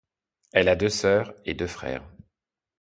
Elle a deux sœurs et deux frères.